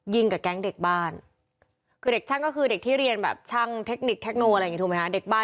ยิงกับแก๊งเด็กบ้าน